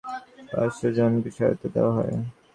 প্রথম দফায় ওই দিনে প্রায় সাড়ে পাঁচ শ জনকে সহায়তা দেওয়া হয়।